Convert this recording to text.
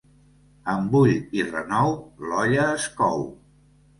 Amb bull i renou, l'olla es cou.